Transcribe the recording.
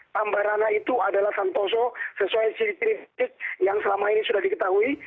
tambah rana itu adalah santoso sesuai ciri fisik yang selama ini sudah diketahui